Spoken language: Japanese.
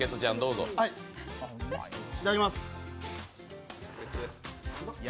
いただきます。